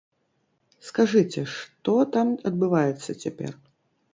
Скажыце, што там адбываецца цяпер?